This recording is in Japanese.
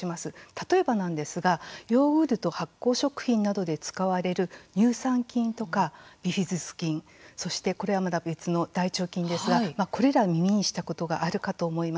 例えばなんですが、ヨーグルト発酵食品などで使われる乳酸菌とか、ビフィズス菌そして、これはまた別の大腸菌ですがこれら耳にしたことがあるかと思います。